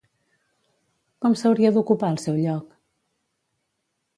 Com s'hauria d'ocupar el seu lloc?